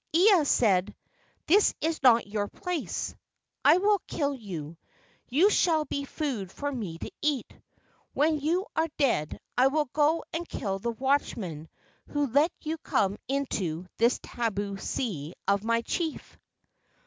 Ea said: "This is not your place. I will kill you. You shall be food for me to eat. When you are dead I will go and kill the watchman who let you come into this tabu sea of my chief."